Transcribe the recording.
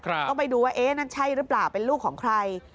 ต้องไปดูว่าเอ๊ะนั่นใช่หรือเปล่าเป็นลูกของใคร